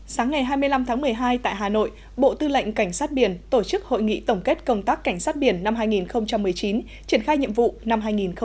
sáng ngày hai mươi năm tháng một mươi hai tại hà nội bộ tư lệnh cảnh sát biển tổ chức hội nghị tổng kết công tác cảnh sát biển năm hai nghìn một mươi chín triển khai nhiệm vụ năm hai nghìn hai mươi